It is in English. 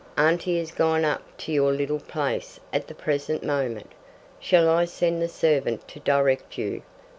Auntie has gone up to your little place at the present moment. Shall I send the servant to direct you?"